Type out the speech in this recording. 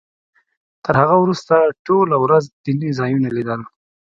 تر هغه وروسته ټوله ورځ دیني ځایونه لیدل.